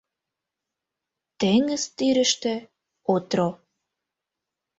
Теҥыз тӱрыштӧ — отро